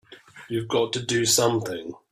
You've got to do something!